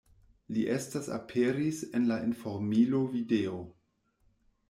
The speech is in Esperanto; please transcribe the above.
Li estas aperis en la Informilo Video.